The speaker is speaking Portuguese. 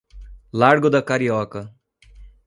Largo da Carioca